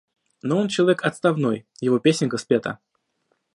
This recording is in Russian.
Но он человек отставной, его песенка спета.